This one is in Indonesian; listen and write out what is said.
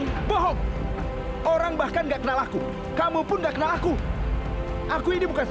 sankuria sebut aku ibu